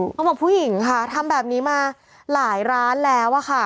ผู้หญิงค่ะทำแบบนี้มาหลายร้านแล้วอะค่ะ